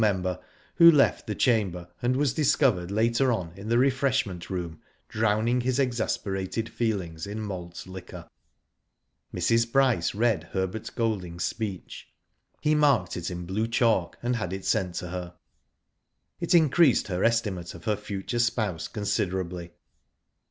member, who left the chamber, and was discovered later on in the refreshment room drowning his exasperated feelings in malt liquor. Mrs. Bryce read Herbert Golding's speech. He marked it in blue chalk, and had it sent to her. It increased her estimate of her future spouse, considerably.